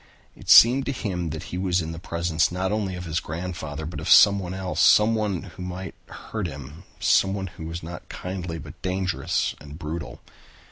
It seemed to him that he was in the presence not only of his grandfather but of someone else, someone who might hurt him, someone who was not kindly but dangerous and brutal.